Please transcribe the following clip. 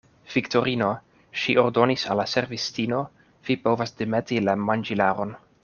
Viktorino, ŝi ordonis al la servistino, vi povas demeti la manĝilaron.